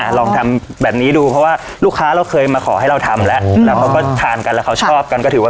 ลองทำแบบนี้ดูเพราะว่าลูกค้าเราเคยมาขอให้เราทำแล้วแล้วเขาก็ทานกันแล้วเขาชอบกันก็ถือว่า